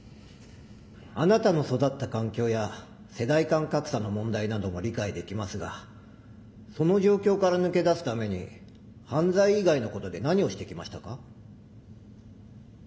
あなたの育った環境や世代間格差の問題なども理解できますがその状況から抜け出すために犯罪以外のことで何をしてきましたか？